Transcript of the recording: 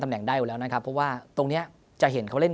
แหน่งได้อยู่แล้วนะครับเพราะว่าตรงเนี้ยจะเห็นเขาเล่น